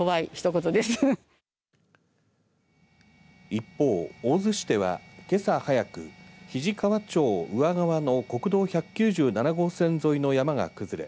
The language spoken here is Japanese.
一方、大洲市ではけさ早く肱川町宇和川の国道１９７号線沿いの山が崩れ